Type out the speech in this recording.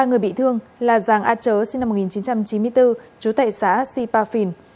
ba người bị thương là giàng a chớ sinh năm một nghìn chín trăm chín mươi bốn trú tại xã sipafin